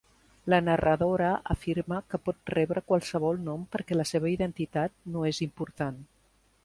La narradora afirma que pot rebre qualsevol nom perquè la seva identitat no és important.